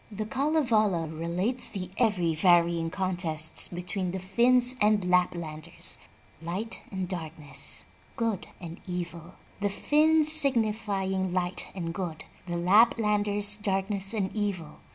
The Kalevala relates the every varying contests between the Finns and Lap landers, Light and Darkness, Good and Evil, the Finns signi fying Light and Good, the Laplanders Darkness and Evil.